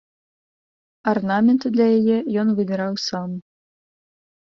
Арнамент для яе ён выбіраў сам.